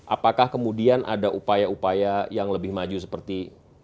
apakah kemudian ada upaya upaya yang lebih maju seperti